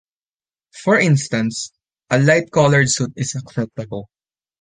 For instance, a light colored suit is acceptable.